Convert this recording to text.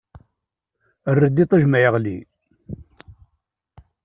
Err-d iṭij ma yeɣli!